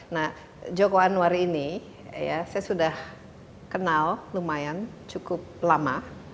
nah joko anwar ini saya sudah kenal lumayan cukup lama